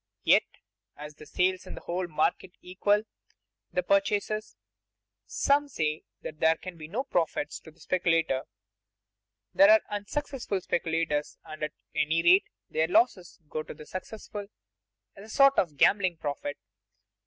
Yet as the sales in the whole market equal the purchases, some say that there can be no profits to the speculator. There are unsuccessful speculators and at any rate their losses go to the successful as a sort of gambling profit.